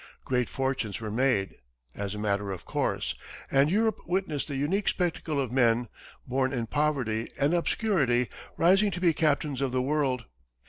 Great fortunes were made, as a matter of course, and Europe witnessed the unique spectacle of men, born in poverty and obscurity, rising to be captains of the world.